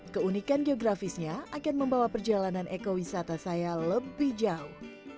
keunikan geografisnya akan membawa perjalanan ekowisata saya lebih jauh